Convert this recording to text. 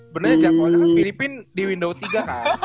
bener aja kalau ada kan filipin di window tiga kan